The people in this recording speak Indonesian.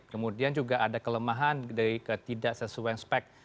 kemudian juga ada kelemahan dari ketidak sesuai spek